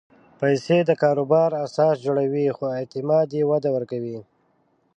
پېسې د کاروبار اساس جوړوي، خو اعتماد یې وده ورکوي.